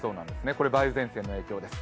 これは梅雨前線の影響です。